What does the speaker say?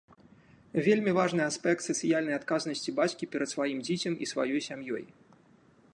Вельмі важны аспект сацыяльнай адказнасці бацькі перад сваім дзіцем і сваёй сям'ёй.